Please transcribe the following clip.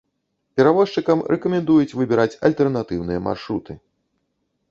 Перавозчыкам рэкамендуюць выбіраць альтэрнатыўныя маршруты.